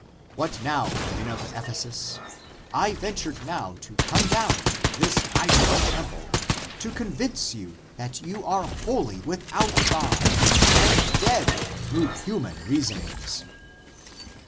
What now, men of Ephesus? I ventured now to come down to this idol's temple, to convince you that you are wholly without God and dead through human reasonings.